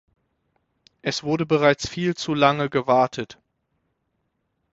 Es wurde bereits viel zu lange gewartet.